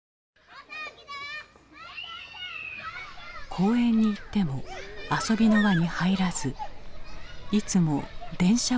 公園に行っても遊びの輪に入らずいつも電車ばかり見ていた。